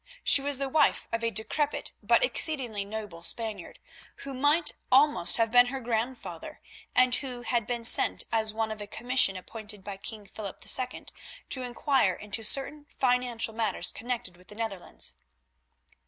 She was the wife of a decrepit but exceedingly noble Spaniard, who might almost have been her grandfather, and who had been sent as one of a commission appointed by King Philip II. to inquire into certain financial matters connected with the Netherlands.